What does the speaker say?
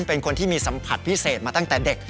เป็นคนที่มีสัมผัสพิเศษมาตั้งแต่เด็ก